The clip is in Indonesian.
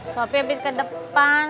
sopi abis ke depan